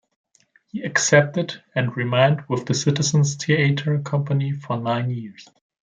He accepted, and remained with the Citizens Theatre company for nine years.